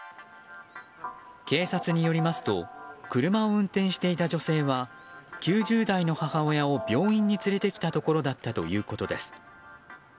警察によりますと車を運転していた女性は９０代の母親を病院に連れてきたところだったということです。